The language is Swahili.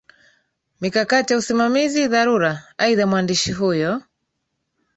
mikakati ya usimamizi dharura Aidha mwandishi huyo